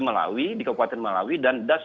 melawi di kabupaten malawi dan das